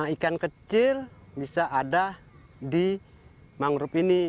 ikan kecil bisa ada di mangrove ini